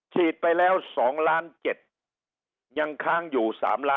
ฉีดไปแล้ว๒๗๐๐๐ยังค้างอยู่๓๓๐๐๐